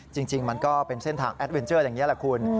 จริงมันก็เป็นเส้นทางแอดเวนเจอร์อย่างนี้แหละคุณ